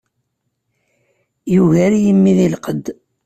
Yugar-iyi mmi di lqedd.